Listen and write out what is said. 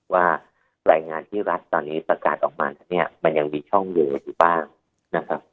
ว่ารายงานที่รัฐตอนนี้ประกาศออกมาเนี่ยมันยังมีช่องหนึ่งอยู่บ้างนะครับ